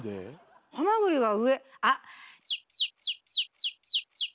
ハマグリは上あ！